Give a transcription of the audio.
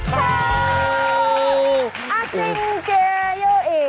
อสิงเจยุอิ